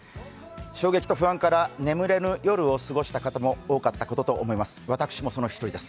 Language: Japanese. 衝撃と不安から眠れぬ夜を過ごした方も多かったと思います。